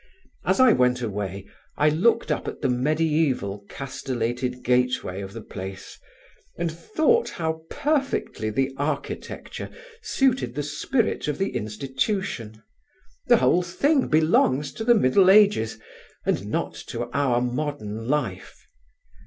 As I went away I looked up at the mediæval castellated gateway of the place, and thought how perfectly the architecture suited the spirit of the institution. The whole thing belongs to the middle ages, and not to our modern life.